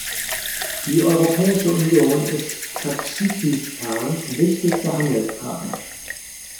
Die Europäische Union ist Tadschikistans wichtigster Handelspartner.